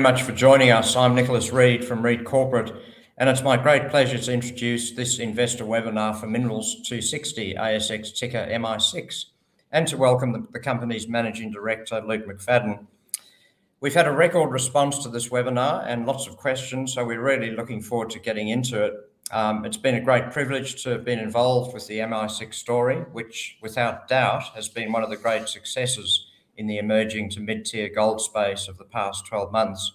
Thank you much for joining us. I'm Nicholas Reed from Reed Corporate, and it's my great pleasure to introduce this investor webinar for Minerals 260, ASX ticker MI6, and to welcome the company's Managing Director, Luke McFadyen. We've had a record response to this webinar and lots of questions, so we're really looking forward to getting into it. It's been a great privilege to have been involved with the MI6 story, which without doubt has been one of the great successes in the emerging to mid-tier gold space of the past 12 months.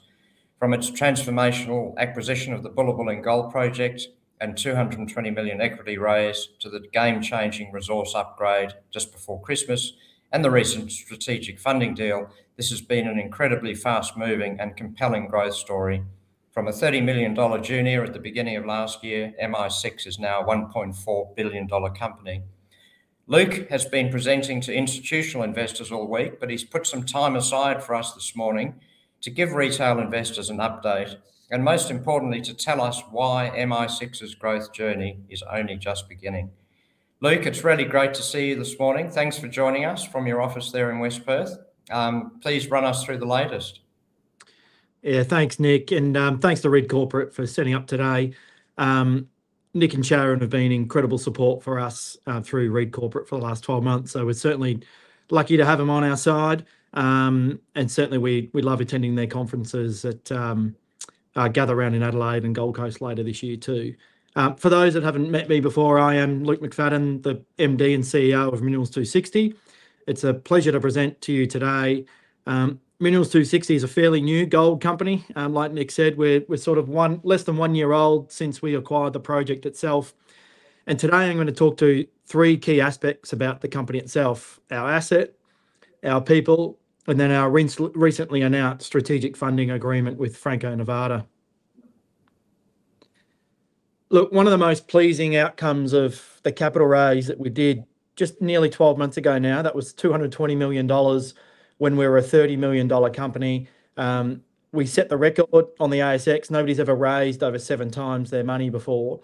From its transformational acquisition of the Bullabulling Gold Project and 220 million equity raise, to the game-changing resource upgrade just before Christmas and the recent strategic funding deal, this has been an incredibly fast-moving and compelling growth story. From a 30 million dollar junior at the beginning of last year, MI6 is now a 1.4 billion dollar company. Luke has been presenting to institutional investors all week, but he's put some time aside for us this morning to give retail investors an update and most importantly, to tell us why MI6's growth journey is only just beginning. Luke, it's really great to see you this morning. Thanks for joining us from your office there in West Perth. Please run us through the latest. Yeah, thanks, Nick. Thanks to Reed Corporate for setting up today. Nick and Sharon have been incredible support for us through Reed Corporate for the last 12 months, so we're certainly lucky to have them on our side. Certainly we love attending their conferences at Gather Round in Adelaide and Gold Coast later this year too. For those that haven't met me before, I am Luke McFadyen, the MD and CEO of Minerals 260. It's a pleasure to present to you today. Minerals 260 is a fairly new gold company. Like Nick said, we're sort of less than one year old since we acquired the project itself. Today I'm gonna talk to three key aspects about the company itself, our asset, our people, and then our recently announced strategic funding agreement with Franco-Nevada. Look, one of the most pleasing outcomes of the capital raise that we did just nearly 12 months ago now, that was 220 million dollars when we were a 30 million dollar company. We set the record on the ASX. Nobody's ever raised over seven times their money before.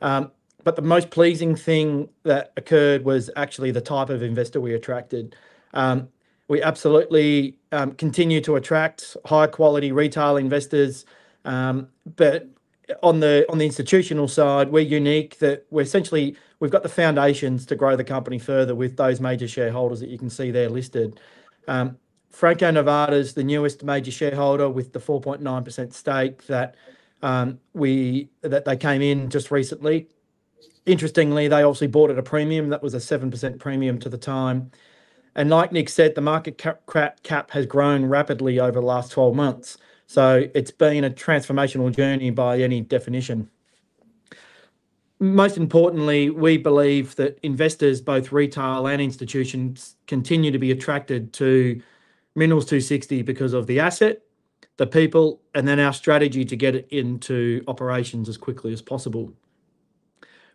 The most pleasing thing that occurred was actually the type of investor we attracted. We absolutely continue to attract high-quality retail investors. On the institutional side, we're unique that we're essentially we've got the foundations to grow the company further with those major shareholders that you can see there listed. Franco-Nevada's the newest major shareholder with the 4.9% stake that they came in just recently. Interestingly, they obviously bought at a premium, that was a 7% premium to the time. Like Nick said, the market cap has grown rapidly over the last 12 months, so it's been a transformational journey by any definition. Most importantly, we believe that investors, both retail and institutions, continue to be attracted to Minerals 260 because of the asset, the people, and then our strategy to get it into operations as quickly as possible.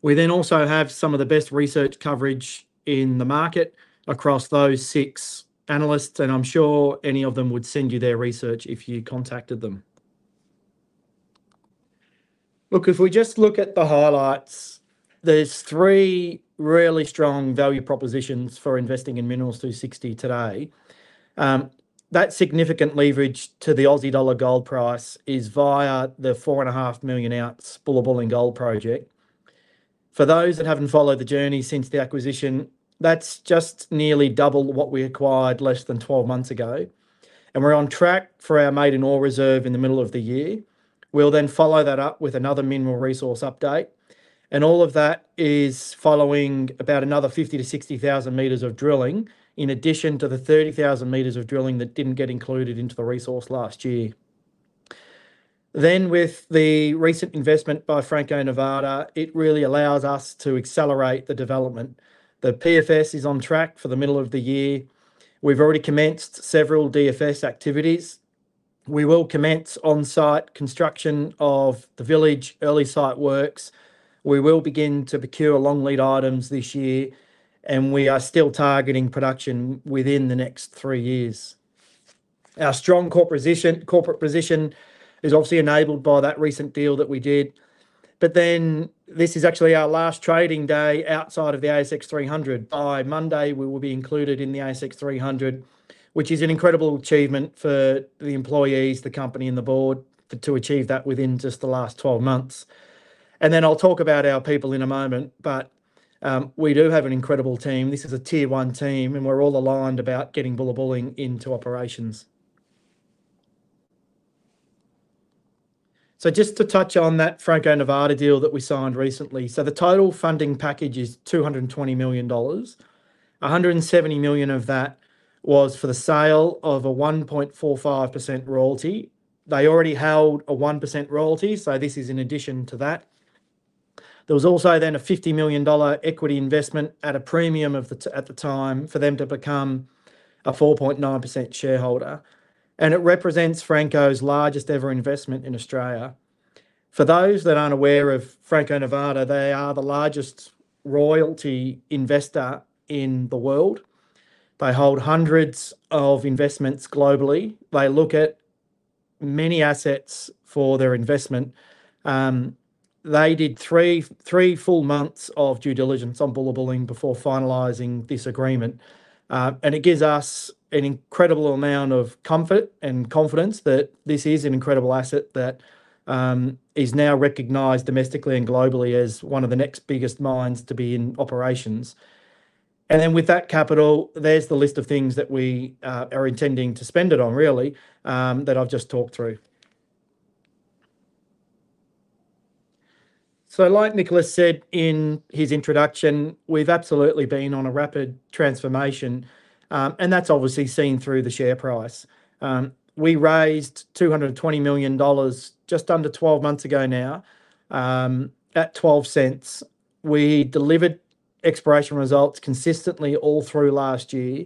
We then also have some of the best research coverage in the market across those six analysts, and I'm sure any of them would send you their research if you contacted them. Look, if we just look at the highlights, there's three really strong value propositions for investing in Minerals 260 today. That significant leverage to the Aussie dollar gold price is via the 4.5 million ounce Bullabulling Gold Project. For those that haven't followed the journey since the acquisition, that's just nearly double what we acquired less than 12 months ago, and we're on track for our maiden ore reserve in the middle of the year. We'll then follow that up with another mineral resource update, and all of that is following about another 50,000-60,000 m of drilling, in addition to the 30,000 m of drilling that didn't get included into the resource last year. With the recent investment by Franco-Nevada, it really allows us to accelerate the development. The PFS is on track for the middle of the year. We've already commenced several DFS activities. We will commence on-site construction of the village, early site works. We will begin to procure long lead items this year, and we are still targeting production within the next three years. Our strong corporate position is obviously enabled by that recent deal that we did. This is actually our last trading day outside of the S&P/ASX 300. By Monday, we will be included in the S&P/ASX 300, which is an incredible achievement for the employees, the company and the board to achieve that within just the last 12 months. I'll talk about our people in a moment. We do have an incredible team. This is a tier one team, and we're all aligned about getting Bullabulling into operations. Just to touch on that Franco-Nevada deal that we signed recently. The total funding package is 220 million dollars. 170 million of that was for the sale of a 1.45% royalty. They already held a 1% royalty, so this is in addition to that. There was also a 50 million dollar equity investment at a premium at the time for them to become a 4.9% shareholder, and it represents Franco-Nevada's largest ever investment in Australia. For those that aren't aware of Franco-Nevada, they are the largest royalty investor in the world. They hold hundreds of investments globally. They look at many assets for their investment. They did three full months of due diligence on Bullabulling before finalizing this agreement. It gives us an incredible amount of comfort and confidence that this is an incredible asset that is now recognized domestically and globally as one of the next biggest mines to be in operations. With that capital, there's the list of things that we are intending to spend it on really, that I've just talked through. Like Nicholas said in his introduction, we've absolutely been on a rapid transformation, and that's obviously seen through the share price. We raised 220 million dollars just under 12 months ago now, at 0.12. We delivered exploration results consistently all through last year.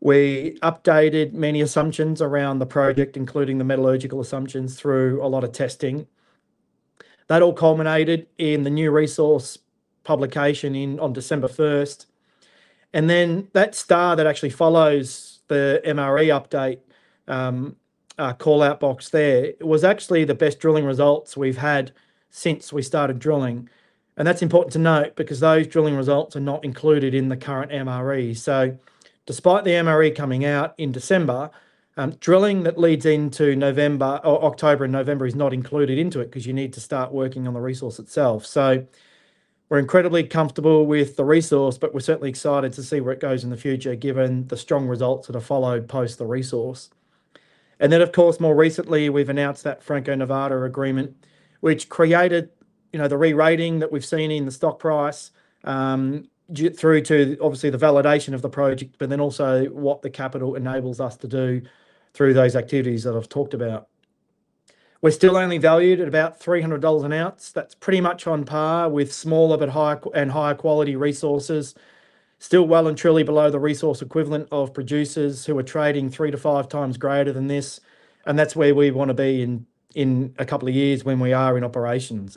We updated many assumptions around the project, including the metallurgical assumptions through a lot of testing. That all culminated in the new resource publication on December 1st. That star that actually follows the MRE update, callout box there was actually the best drilling results we've had since we started drilling. That's important to note because those drilling results are not included in the current MRE. Despite the MRE coming out in December, drilling that leads into November or October and November is not included into it 'cause you need to start working on the resource itself. We're incredibly comfortable with the resource, but we're certainly excited to see where it goes in the future, given the strong results that have followed post the resource. Then of course, more recently, we've announced that Franco-Nevada agreement, which created, you know, the rerating that we've seen in the stock price, through to obviously the validation of the project, but then also what the capital enables us to do through those activities that I've talked about. We're still only valued at about 300 dollars an ounce. That's pretty much on par with smaller but higher quality resources. Still well and truly below the resource equivalent of producers who are trading three to five times greater than this, and that's where we wanna be in a couple of years when we are in operations.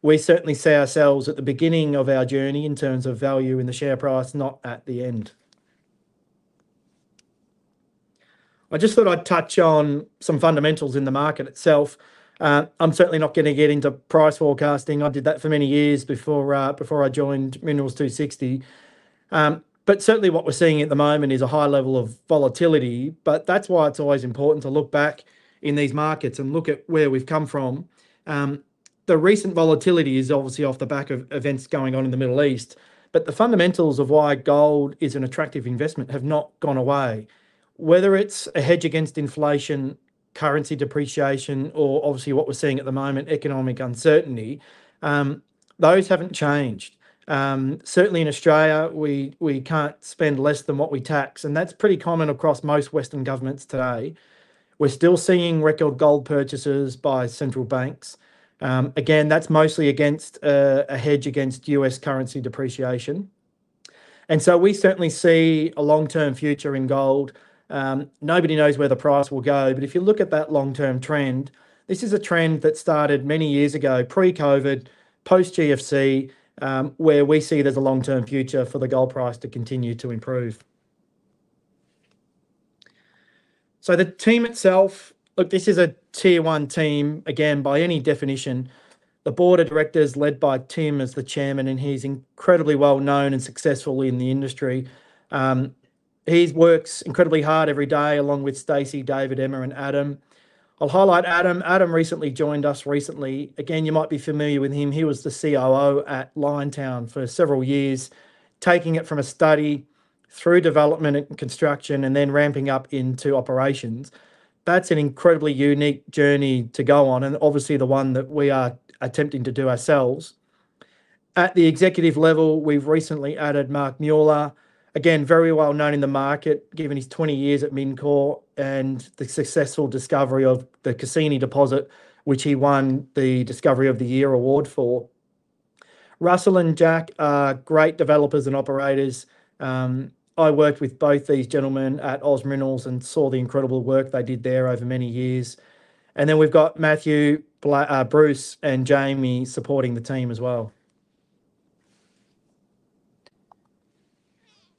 We certainly see ourselves at the beginning of our journey in terms of value in the share price, not at the end. I just thought I'd touch on some fundamentals in the market itself. I'm certainly not gonna get into price forecasting. I did that for many years before I joined Minerals 260. Certainly what we're seeing at the moment is a high level of volatility, but that's why it's always important to look back in these markets and look at where we've come from. The recent volatility is obviously off the back of events going on in the Middle East, but the fundamentals of why gold is an attractive investment have not gone away. Whether it's a hedge against inflation, currency depreciation, or obviously what we're seeing at the moment, economic uncertainty, those haven't changed. Certainly in Australia we can't spend less than what we tax, and that's pretty common across most Western governments today. We're still seeing record gold purchases by central banks. Again, that's mostly against, a hedge against U.S. currency depreciation. We certainly see a long-term future in gold. Nobody knows where the price will go, but if you look at that long-term trend, this is a trend that started many years ago, pre-COVID, post-GFC, where we see there's a long-term future for the gold price to continue to improve. The team itself. Look, this is a tier one team, again, by any definition. The Board of Directors led by Tim as the Chairman, and he's incredibly well known and successful in the industry. He's worked incredibly hard every day, along with Stacey, David, Emma and Adam. I'll highlight Adam. Adam recently joined us. Again, you might be familiar with him. He was the COO at Liontown for several years, taking it from a study through development and construction and then ramping up into operations. That's an incredibly unique journey to go on and obviously the one that we are attempting to do ourselves. At the executive level, we've recently added Mark Muller. Again, very well known in the market, given his 20 years at Mincor and the successful discovery of the Cassini deposit, which he won the Discovery of the Year award for. Russell and Jack are great developers and operators. I worked with both these gentlemen at OZ Minerals and saw the incredible work they did there over many years. We've got Matthew Blake, Bruce and Jamie supporting the team as well.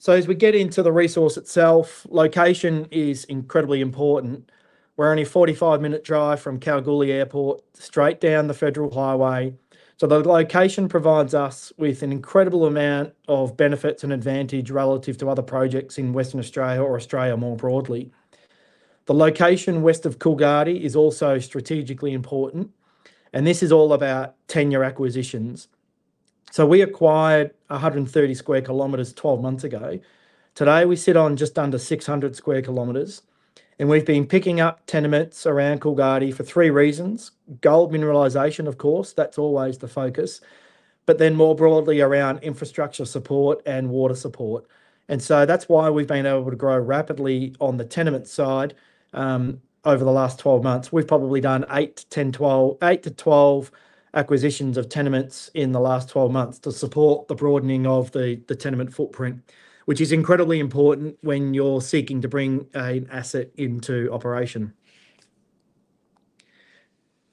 As we get into the resource itself, location is incredibly important. We're only a 45-minute drive from Kalgoorlie Airport, straight down the Goldfields Highway. The location west of Coolgardie is also strategically important, and this is all about tenement acquisitions. We acquired 130 sq km twelve months ago. Today, we sit on just under 600 sq km, and we've been picking up tenements around Coolgardie for three reasons. Gold mineralization, of course, that's always the focus. More broadly, around infrastructure support and water support. That's why we've been able to grow rapidly on the tenement side, over the last 12 months. We've probably done eight to 12 acquisitions of tenements in the last 12 months to support the broadening of the tenement footprint, which is incredibly important when you're seeking to bring an asset into operation.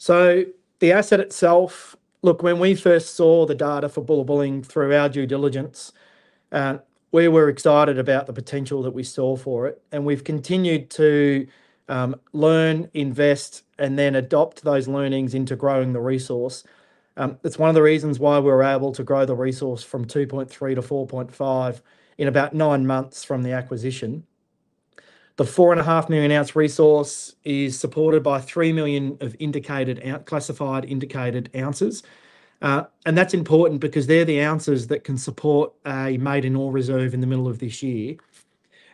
The asset itself, look, when we first saw the data for Bullabulling through our due diligence, we were excited about the potential that we saw for it, and we've continued to learn, invest and then adopt those learnings into growing the resource. It's one of the reasons why we were able to grow the resource from 2.3 to 4.5 in about nine months from the acquisition. The 4.5 million ounce resource is supported by three million classified indicated ounces. That's important because they're the ounces that can support a maiden ore reserve in the middle of this year.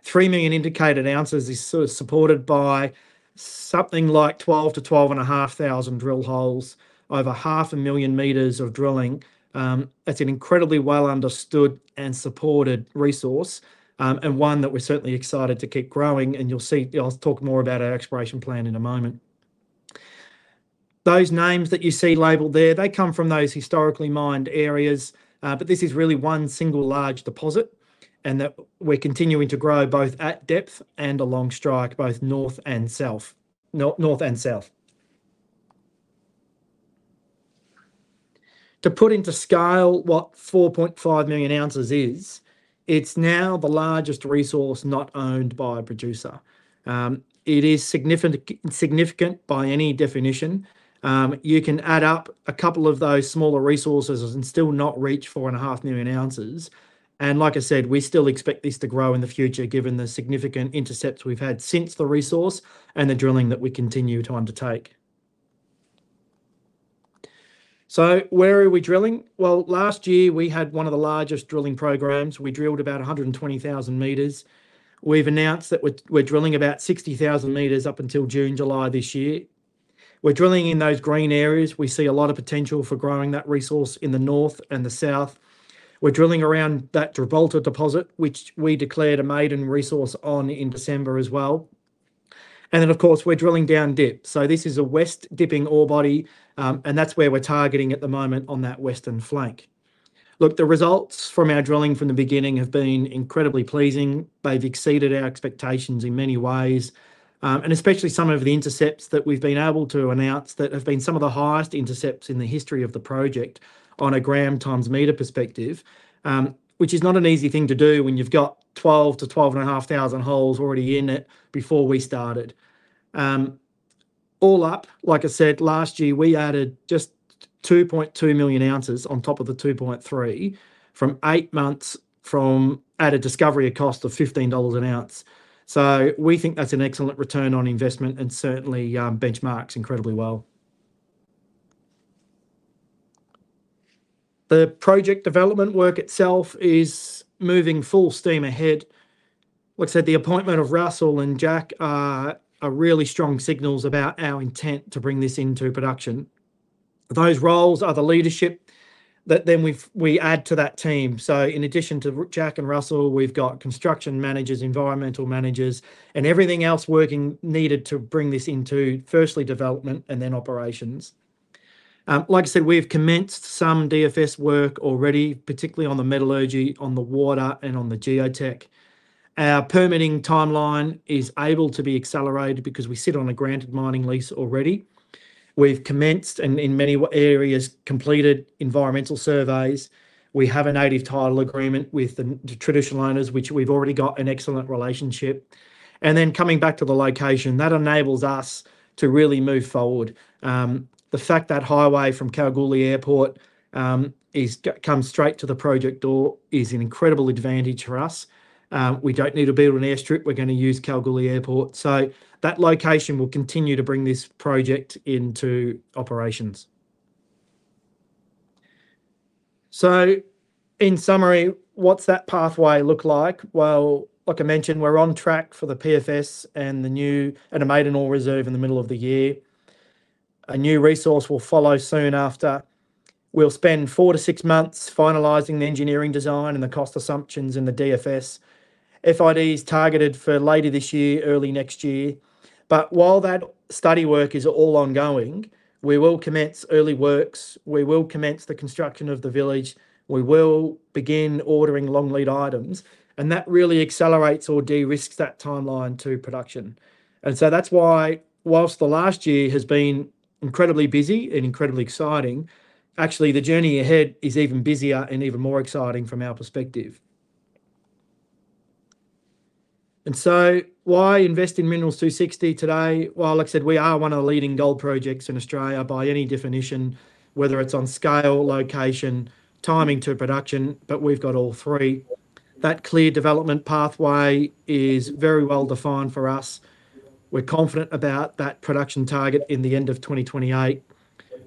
Three million indicated ounces is sort of supported by something like 12,000-12,500 drill holes, over 500,000 m of drilling. That's an incredibly well understood and supported resource, and one that we're certainly excited to keep growing. You'll see, I'll talk more about our exploration plan in a moment. Those names that you see labeled there, they come from those historically mined areas. This is really one single large deposit and that we're continuing to grow both at depth and along strike, both north and south. To put into scale what 4.5 million ounces is, it's now the largest resource not owned by a producer. It is significant by any definition. You can add up a couple of those smaller resources and still not reach 4.5 million ounces. Like I said, we still expect this to grow in the future given the significant intercepts we've had since the resource and the drilling that we continue to undertake. Where are we drilling? Well, last year we had one of the largest drilling programs. We drilled about 120,000 m. We've announced that we're drilling about 60,000 m up until June, July this year. We're drilling in those green areas. We see a lot of potential for growing that resource in the north and the south. We're drilling around that Gibraltar deposit, which we declared a maiden resource on in December as well. Of course, we're drilling down dip. This is a west dipping ore body, and that's where we're targeting at the moment on that western flank. Look, the results from our drilling from the beginning have been incredibly pleasing. They've exceeded our expectations in many ways, and especially some of the intercepts that we've been able to announce that have been some of the highest intercepts in the history of the project on a gram times meter perspective, which is not an easy thing to do when you've got 12,000-12,500 holes already in it before we started. All up, like I said, last year, we added just 2.2 million ounces on top of the 2.3 from eight months from at a discovery cost of 15 dollars an ounce. We think that's an excellent return on investment and certainly benchmarks incredibly well. The project development work itself is moving full steam ahead. Like I said, the appointment of Russell and Jack are really strong signals about our intent to bring this into production. Those roles are the leadership that then we add to that team. In addition to Jack and Russell, we've got construction managers, environmental managers and everything else working needed to bring this into firstly development and then operations. Like I said, we've commenced some DFS work already, particularly on the metallurgy, on the water and on the geotech. Our permitting timeline is able to be accelerated because we sit on a granted mining lease already. We've commenced and in many areas, completed environmental surveys. We have a native title agreement with the traditional owners, which we've already got an excellent relationship. Coming back to the location, that enables us to really move forward. The fact that Goldfields Highway from Kalgoorlie Airport comes straight to the project door is an incredible advantage for us. We don't need to build an airstrip. We're gonna use Kalgoorlie Airport. That location will continue to bring this project into operations. In summary, what's that pathway look like? Well, like I mentioned, we're on track for the PFS and a maiden ore reserve in the middle of the year. A new resource will follow soon after. We'll spend four to six months finalizing the engineering design and the cost assumptions in the DFS. FID is targeted for later this year, early next year. While that study work is all ongoing, we will commence early works, we will commence the construction of the village, we will begin ordering long lead items, and that really accelerates or de-risks that timeline to production. That's why, whilst the last year has been incredibly busy and incredibly exciting, actually, the journey ahead is even busier and even more exciting from our perspective. Why invest in Minerals 260 today? Well, like I said, we are one of the leading gold projects in Australia by any definition, whether it's on scale, location, timing to production, but we've got all three. That clear development pathway is very well defined for us. We're confident about that production target in the end of 2028.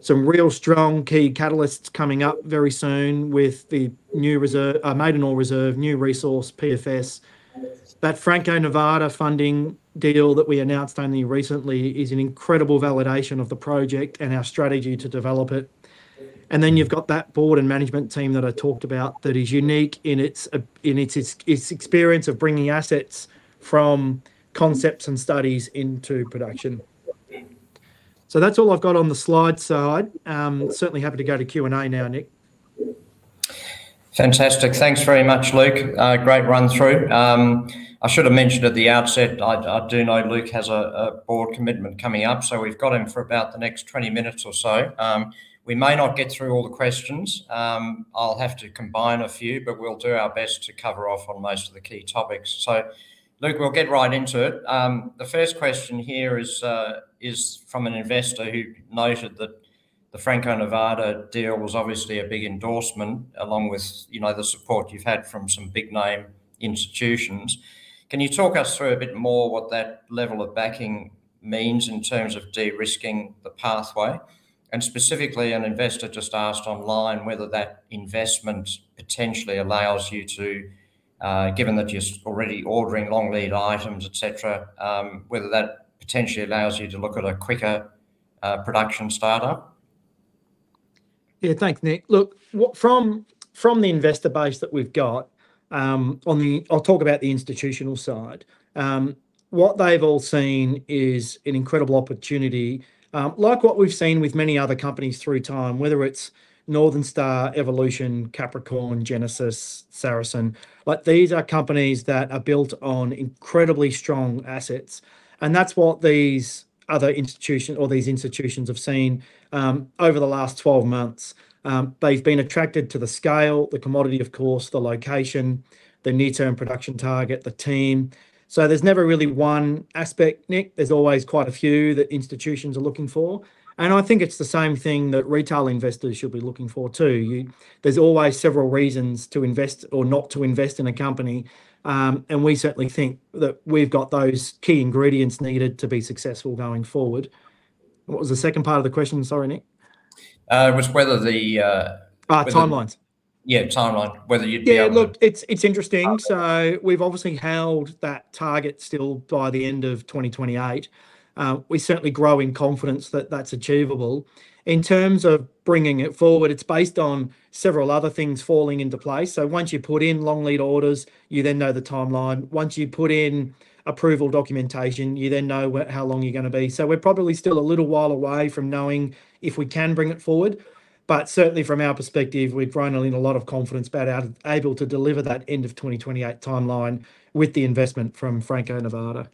Some real strong key catalysts coming up very soon with the new reserve, maiden ore reserve, new resource, PFS. That Franco-Nevada funding deal that we announced only recently is an incredible validation of the project and our strategy to develop it. You've got that board and management team that I talked about that is unique in its experience of bringing assets from concepts and studies into production. That's all I've got on the slide side. Certainly happy to go to Q&A now, Nick. Fantastic. Thanks very much, Luke. Great run through. I should have mentioned at the outset, I do know Luke has a board commitment coming up, so we've got him for about the next 20 minutes or so. We may not get through all the questions. I'll have to combine a few, but we'll do our best to cover off on most of the key topics. Luke, we'll get right into it. The first question here is from an investor who noted that the Franco-Nevada deal was obviously a big endorsement along with, you know, the support you've had from some big name institutions. Can you talk us through a bit more what that level of backing means in terms of de-risking the pathway? Specifically, an investor just asked online whether that investment potentially allows you to, given that you're already ordering long lead items, et cetera, whether that potentially allows you to look at a quicker production startup. Yeah, thanks Nick. Look, from the investor base that we've got, I'll talk about the institutional side. What they've all seen is an incredible opportunity, like what we've seen with many other companies through time, whether it's Northern Star, Evolution, Capricorn, Genesis, Saracen. Like, these are companies that are built on incredibly strong assets, and that's what these other institution or these institutions have seen over the last 12 months. They've been attracted to the scale, the commodity of course, the location, the near-term production target, the team. There's never really one aspect, Nick. There's always quite a few that institutions are looking for, and I think it's the same thing that retail investors should be looking for too. There's always several reasons to invest or not to invest in a company. We certainly think that we've got those key ingredients needed to be successful going forward. What was the second part of the question? Sorry, Nick. It was whether the- Timelines. Yeah, timeline. Whether you'd be able to. Yeah, look, it's interesting. We've obviously held that target still by the end of 2028. We're certainly growing confidence that that's achievable. In terms of bringing it forward, it's based on several other things falling into place. Once you put in long lead orders, you then know the timeline. Once you put in approval documentation, you then know how long you're gonna be. We're probably still a little while away from knowing if we can bring it forward, but certainly from our perspective, we've grown a lot of confidence about our ability to deliver that end of 2028 timeline with the investment from Franco-Nevada.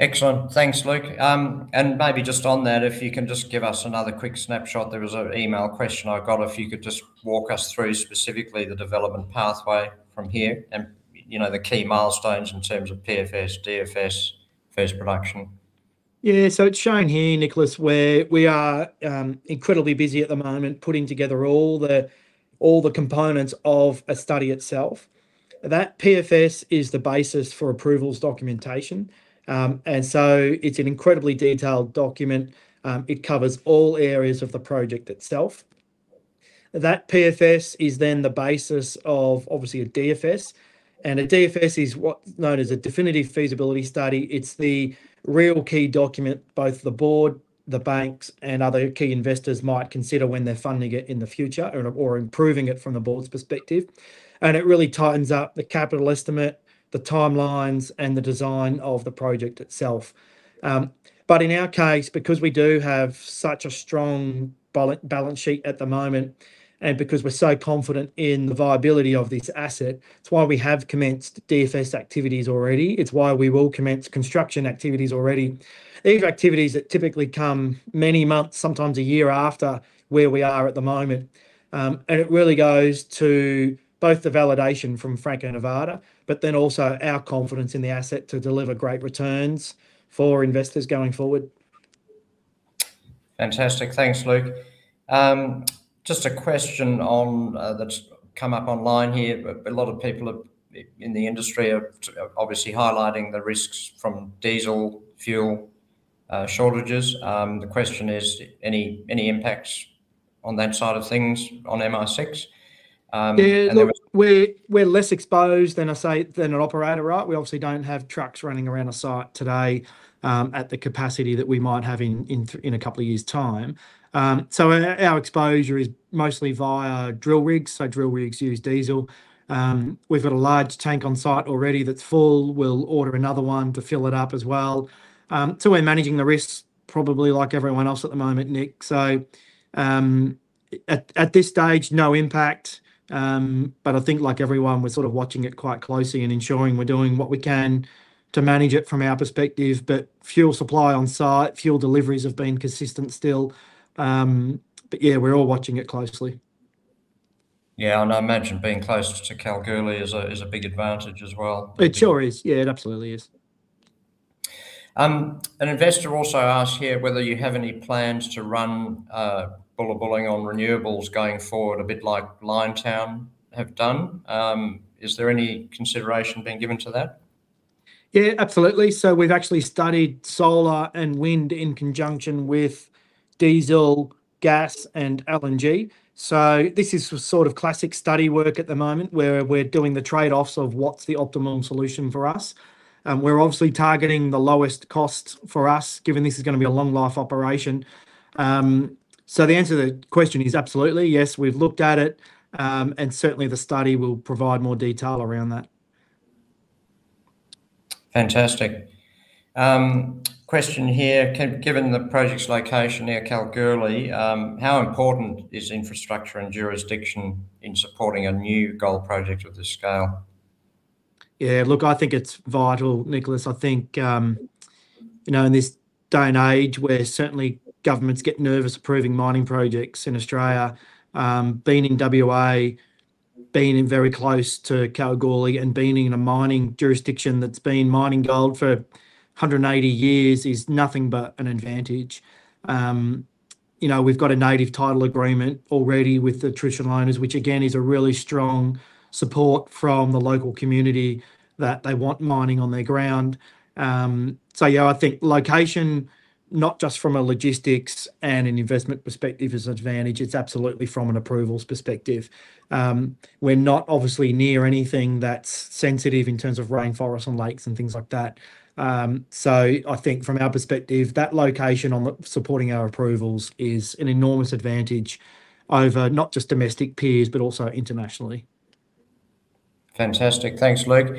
Excellent. Thanks, Luke. Maybe just on that, if you can just give us another quick snapshot. There was a email question I got. If you could just walk us through specifically the development pathway from here and, you know, the key milestones in terms of PFS, DFS, first production. Yeah. It's shown here, Nicholas, where we are, incredibly busy at the moment putting together all the components of a study itself. That PFS is the basis for approvals documentation. It's an incredibly detailed document. It covers all areas of the project itself. That PFS is then the basis of obviously a DFS and a DFS is what's known as a definitive feasibility study. It's the real key document both the board, the banks and other key investors might consider when they're funding it in the future or improving it from the board's perspective. It really tightens up the capital estimate, the timelines and the design of the project itself. In our case, because we do have such a strong balance sheet at the moment, and because we're so confident in the viability of this asset, it's why we have commenced DFS activities already. It's why we will commence construction activities already. These are activities that typically come many months, sometimes a year after where we are at the moment. It really goes to both the validation from Franco-Nevada, but then also our confidence in the asset to deliver great returns for investors going forward. Fantastic. Thanks, Luke. Just a question on that's come up online here. A lot of people in the industry are obviously highlighting the risks from diesel, fuel, shortages. The question is, any impacts on that side of things on MI6? Yeah, look, we're less exposed than a site than an operator, right? We obviously don't have trucks running around a site today at the capacity that we might have in a couple of years' time. Our exposure is mostly via drill rigs. Drill rigs use diesel. We've got a large tank on site already that's full. We'll order another one to fill it up as well. We're managing the risks probably like everyone else at the moment, Nick. At this stage, no impact. I think like everyone, we're sort of watching it quite closely and ensuring we're doing what we can to manage it from our perspective. Fuel supply on site, fuel deliveries have been consistent still. Yeah, we're all watching it closely. Yeah, I imagine being close to Kalgoorlie is a big advantage as well. It sure is. Yeah, it absolutely is. An investor also asked here whether you have any plans to run Bullabulling on renewables going forward, a bit like Liontown have done. Is there any consideration being given to that? Yeah, absolutely. We've actually studied solar and wind in conjunction with diesel, gas and LNG. This is sort of classic study work at the moment where we're doing the trade-offs of what's the optimum solution for us. We're obviously targeting the lowest cost for us, given this is gonna be a long life operation. The answer to the question is absolutely yes, we've looked at it. Certainly the study will provide more detail around that. Fantastic. Question here. Given the project's location near Kalgoorlie, how important is infrastructure and jurisdiction in supporting a new gold project of this scale? Yeah, look, I think it's vital, Nicholas. I think, you know, in this day and age where certainly governments get nervous approving mining projects in Australia, being in WA, being in very close to Kalgoorlie, and being in a mining jurisdiction that's been mining gold for 180 years is nothing but an advantage. You know, we've got a native title agreement already with the traditional owners, which again is a really strong support from the local community that they want mining on their ground. Yeah, I think location, not just from a logistics and an investment perspective is an advantage. It's absolutely from an approvals perspective. We're not obviously near anything that's sensitive in terms of rainforest and lakes and things like that. I think from our perspective, that location on supporting our approvals is an enormous advantage over not just domestic peers, but also internationally. Fantastic. Thanks, Luke.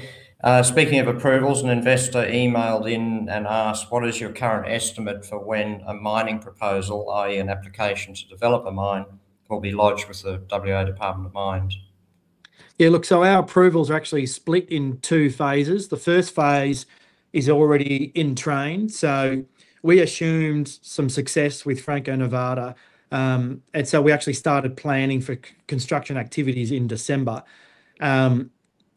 Speaking of approvals, an investor emailed in and asked, "What is your current estimate for when a mining proposal, i.e. an application to develop a mine, will be lodged with the Department of Energy, Mines, Industry Regulation and Safety? Yeah, look, our approvals are actually split in two phases. The first phase is already in train. We assumed some success with Franco-Nevada. We actually started planning for construction activities in December.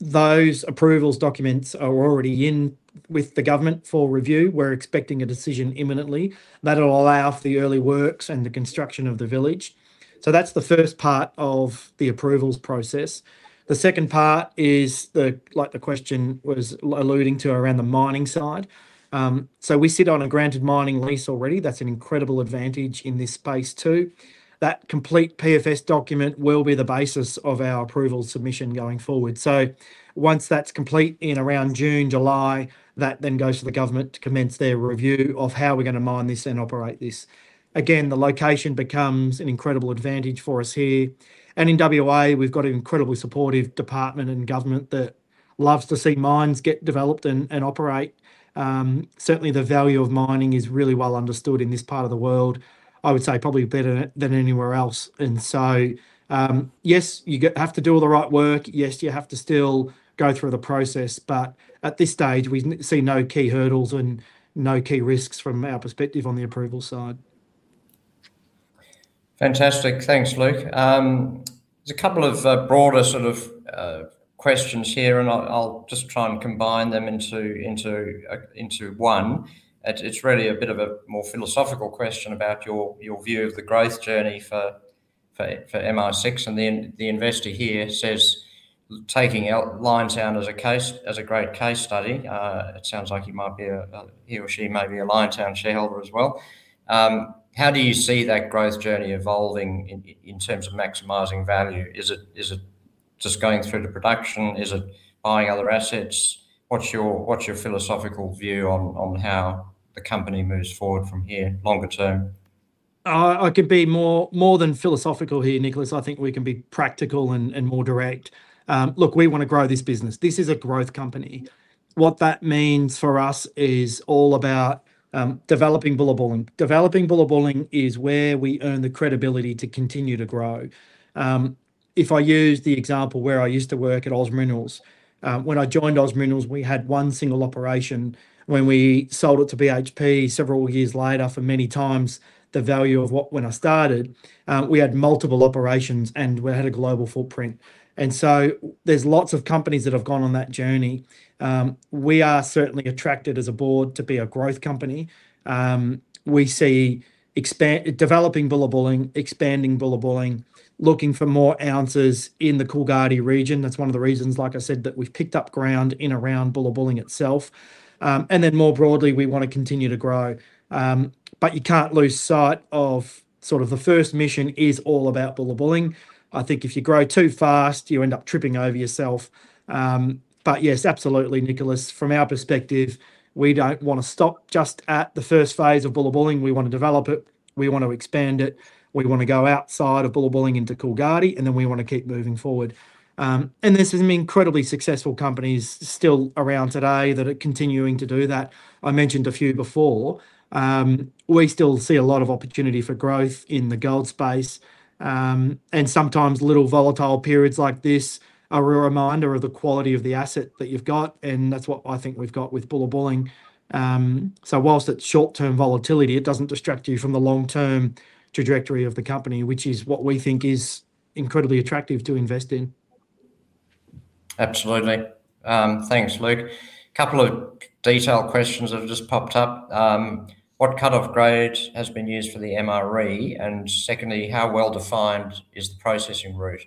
Those approvals documents are already in with the government for review. We're expecting a decision imminently that'll allow for the early works and the construction of the village. That's the first part of the approvals process. The second part is like the question was alluding to, around the mining side. We sit on a granted mining lease already. That's an incredible advantage in this space too. That complete PFS document will be the basis of our approval submission going forward. Once that's complete in around June, July, that then goes to the government to commence their review of how we're gonna mine this and operate this. Again, the location becomes an incredible advantage for us here. In WA, we've got an incredibly supportive department and government that loves to see mines get developed and operate. Certainly the value of mining is really well understood in this part of the world, I would say probably better than anywhere else inside. Yes, you have to do all the right work. Yes, you have to still go through the process. At this stage, we see no key hurdles and no key risks from our perspective on the approval side. Fantastic. Thanks, Luke. There's a couple of broader sort of questions here, and I'll just try and combine them into one. It's really a bit of a more philosophical question about your view of the growth journey for MI6. The investor here says, taking out Liontown as a case, as a great case study, it sounds like he might be a, he or she may be a Liontown shareholder as well. How do you see that growth journey evolving in terms of maximizing value? Is it just going through to production? Is it buying other assets? What's your philosophical view on how the company moves forward from here longer term? I could be more than philosophical here, Nicholas. I think we can be practical and more direct. Look, we wanna grow this business. This is a growth company. What that means for us is all about developing Bullabulling. Developing Bullabulling is where we earn the credibility to continue to grow. If I use the example where I used to work at OZ Minerals, when I joined OZ Minerals, we had one single operation. When we sold it to BHP several years later for many times the value of what when I started, we had multiple operations and we had a global footprint. There's lots of companies that have gone on that journey. We are certainly attracted as a board to be a growth company. Developing Bullabulling, expanding Bullabulling, looking for more ounces in the Coolgardie region. That's one of the reasons, like I said, that we've picked up ground in and around Bullabulling itself. More broadly, we wanna continue to grow. You can't lose sight of sort of the first mission is all about Bullabulling. I think if you grow too fast, you end up tripping over yourself. Yes, absolutely, Nicholas. From our perspective, we don't wanna stop just at the first phase of Bullabulling. We want to develop it. We want to expand it. We want to go outside of Bullabulling into Coolgardie, and then we want to keep moving forward. There're some incredibly successful companies still around today that are continuing to do that. I mentioned a few before. We still see a lot of opportunity for growth in the gold space. Sometimes little volatile periods like this are a reminder of the quality of the asset that you've got, and that's what I think we've got with Bullabulling. Whilst it's short-term volatility, it doesn't distract you from the long-term trajectory of the company, which is what we think is incredibly attractive to invest in. Absolutely. Thanks, Luke. Couple of detailed questions that have just popped up. What cut-off grade has been used for the MRE? And secondly, how well-defined is the processing route?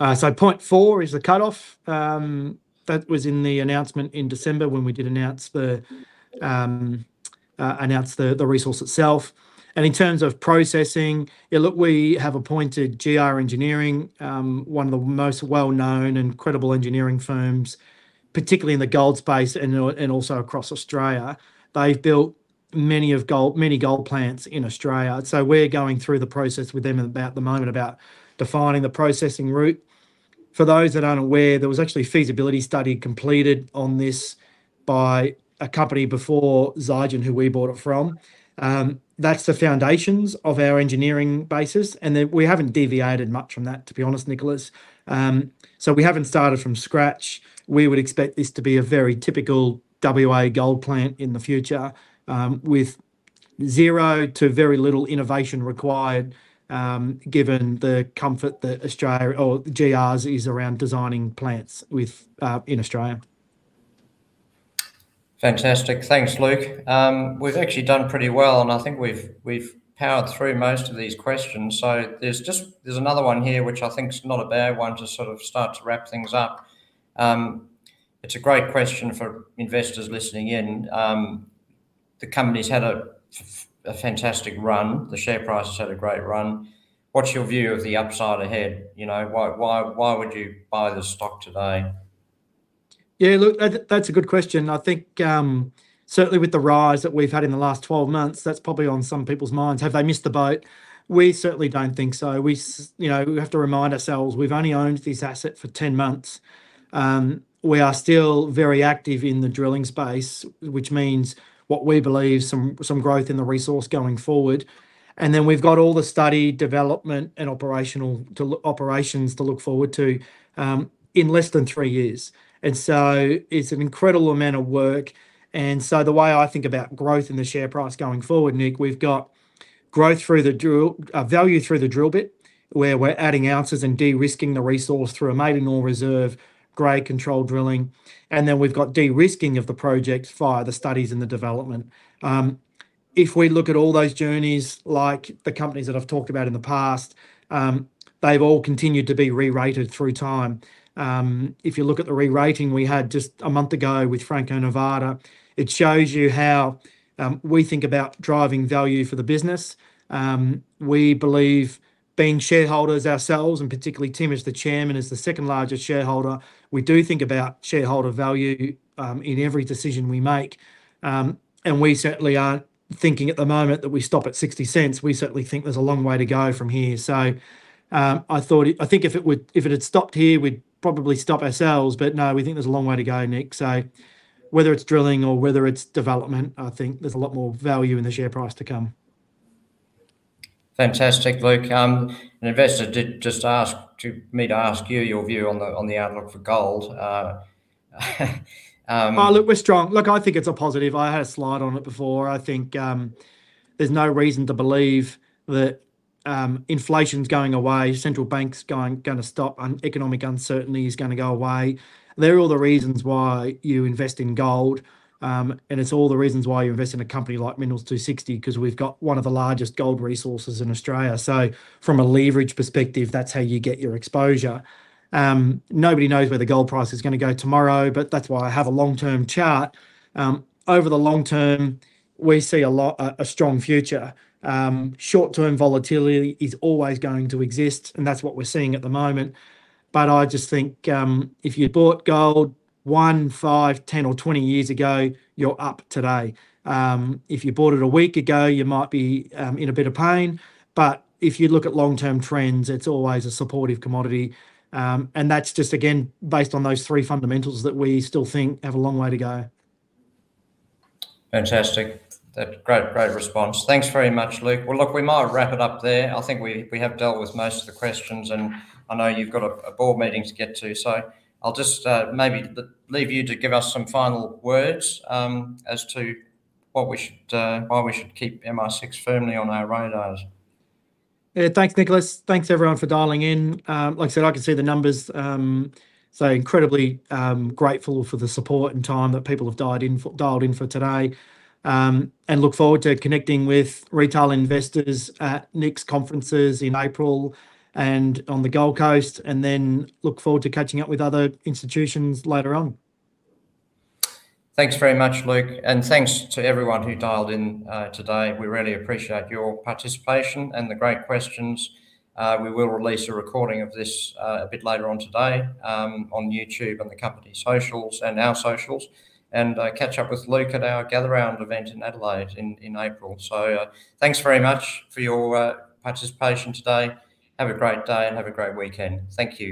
0.4 is the cutoff. That was in the announcement in December when we announced the resource itself. In terms of processing, we have appointed GR Engineering, one of the most well-known and credible engineering firms, particularly in the gold space and also across Australia. They've built many gold plants in Australia. We're going through the process with them at the moment about defining the processing route. For those that aren't aware, there was actually a feasibility study completed on this by a company before Zijin, who we bought it from. That's the foundations of our engineering basis, and then we haven't deviated much from that, to be honest, Nicholas. We haven't started from scratch. We would expect this to be a very typical WA gold plant in the future, with zero to very little innovation required, given the comfort that Australia or GR Engineering Services is around designing plants within Australia. Fantastic. Thanks, Luke. We've actually done pretty well, and I think we've powered through most of these questions. There's just another one here, which I think is not a bad one to sort of start to wrap things up. It's a great question for investors listening in. The company's had a fantastic run. The share price has had a great run. What's your view of the upside ahead? You know, why would you buy the stock today? Yeah, look, that's a good question. I think certainly with the rise that we've had in the last 12 months, that's probably on some people's minds. Have they missed the boat? We certainly don't think so. You know, we have to remind ourselves, we've only owned this asset for 10 months. We are still very active in the drilling space, which means what we believe some growth in the resource going forward. Then we've got all the study, development, and operational operations to look forward to in less than three years. It's an incredible amount of work. The way I think about growth in the share price going forward, Nick, we've got growth through the drill, value through the drill bit, where we're adding ounces and de-risking the resource through a maiden ore reserve, grade control drilling, and then we've got de-risking of the project via the studies and the development. If we look at all those journeys, like the companies that I've talked about in the past, they've all continued to be re-rated through time. If you look at the re-rating we had just a month ago with Franco-Nevada, it shows you how we think about driving value for the business. We believe being shareholders ourselves, and particularly Tim as the Chairman is the second largest shareholder, we do think about shareholder value in every decision we make. We certainly aren't thinking at the moment that we stop at 0.60. We certainly think there's a long way to go from here. I think if it would, if it had stopped here, we'd probably stop ourselves. No, we think there's a long way to go, Nick. Whether it's drilling or whether it's development, I think there's a lot more value in the share price to come. Fantastic, Luke. An investor did just ask me to ask you your view on the outlook for gold. Oh, look, we're strong. Look, I think it's a positive. I had a slide on it before. I think, there's no reason to believe that, inflation's going away, central banks gonna stop, and economic uncertainty is gonna go away. They're all the reasons why you invest in gold, and it's all the reasons why you invest in a company like Minerals 260, 'cause we've got one of the largest gold resources in Australia. So from a leverage perspective, that's how you get your exposure. Nobody knows where the gold price is gonna go tomorrow, but that's why I have a long-term chart. Over the long term, we see a strong future. Short-term volatility is always going to exist, and that's what we're seeing at the moment. I just think, if you'd bought gold one, five, 10, or 20 years ago, you're up today. If you bought it a week ago, you might be in a bit of pain. If you look at long-term trends, it's always a supportive commodity. That's just again, based on those three fundamentals that we still think have a long way to go. Fantastic. Great response. Thanks very much, Luke. Well, look, we might wrap it up there. I think we have dealt with most of the questions, and I know you've got a board meeting to get to. I'll just maybe leave you to give us some final words as to why we should keep MR6 firmly on our radars. Yeah. Thanks, Nicholas. Thanks everyone for dialing in. Like I said, I can see the numbers, so incredibly grateful for the support and time that people have dialed in for today, and look forward to connecting with retail investors at Nick's conferences in April and on the Gold Coast, and then look forward to catching up with other institutions later on. Thanks very much, Luke. Thanks to everyone who dialed in today. We really appreciate your participation and the great questions. We will release a recording of this a bit later on today on YouTube and the company socials and our socials. Catch up with Luke at our Gather Round event in Adelaide in April. Thanks very much for your participation today. Have a great day, and have a great weekend. Thank you.